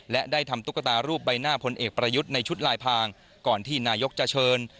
และได้ทำตุ๊กตารูปใบหน้าพลเอกประยุทธ์ในชุดลายพางก่อนที่นายกจะเชิญ